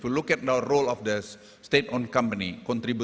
jadi dalam tiga tahun yang lalu